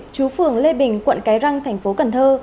chú phường lê bình quận cái răng thành phố cần thơ